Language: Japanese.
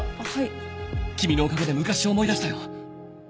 君のおかげで昔を思い出したよ。